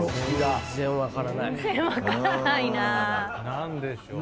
何でしょう？